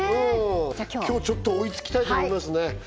じゃあ今日今日ちょっと追いつきたいと思いますね